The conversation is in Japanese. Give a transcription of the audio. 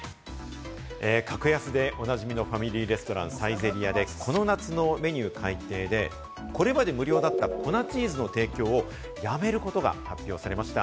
格安でおなじみのファミリーレストラン、サイゼリヤで、この夏のメニュー改定で、これまで無料だった粉チーズの提供をやめることが発表されました。